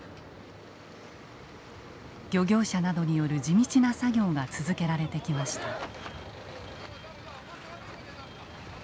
漁業者などによる地道な作業が続けられてきました。